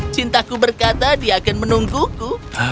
cintaku berkata dia akan menungguku